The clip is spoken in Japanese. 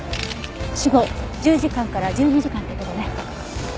死後１０時間から１２時間ってとこね。